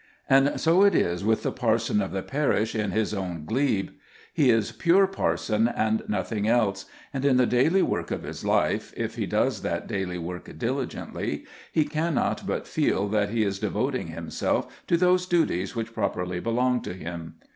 And so it is with the parson of the parish in his own glebe. He is pure parson and nothing else, and in the daily work of his life, if he does that daily work diligently, he cannot but feel that he is devoting himself to those duties which properly belong to him.